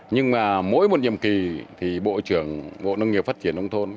nhưng mà mỗi một nhiệm kỳ thì bộ trưởng bộ nâng nghiệp phát triển đông thôn